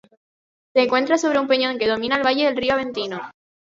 Se encuentra sobre un peñón que domina el valle del río Aventino.